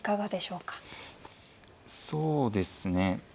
そうですね。